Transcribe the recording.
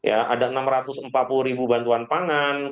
ada enam ratus empat puluh bantuan pangan kemudian